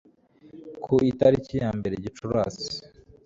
ku itariki ya mbere gicurasi